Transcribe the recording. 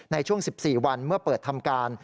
ในช่วง๑๔วันเมื่อเปิดทำการ